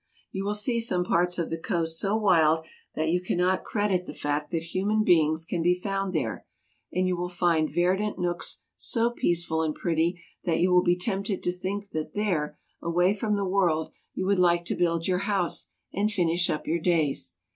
You will see some parts of the coast so wild that you cannot credit the fact that human beings can be found there, and you will find verdant nooks so peaceful and pretty that you will be tempted to think that there, away from the world, you would like to build your house and finish up your days.